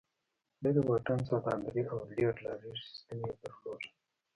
لرې واټن سوداګري او لېږد رالېږد سیستم یې درلود.